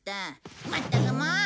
まったくもう！